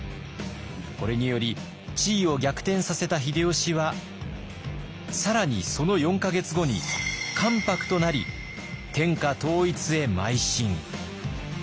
これにより地位を逆転させた秀吉は更にその４か月後に関白となり天下統一へまい進。